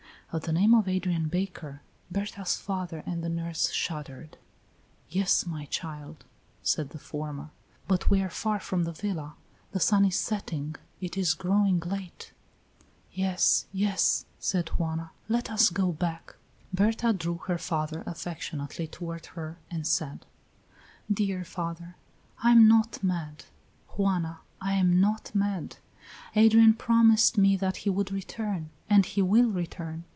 At the name of Adrian Baker, Berta's father and the nurse shuddered. "Yes, my child," said the former, "but we are far from the villa, the sun is setting it is growing late." "Yes, yes," said Juana, "let us go back." Berta drew her father affectionately toward her and said: "Dear father, I am not mad. Juana, I am not mad. Adrian promised me that he would return, and he will return.